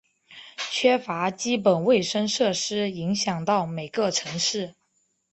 缺乏基本卫生设施影响到每个城市。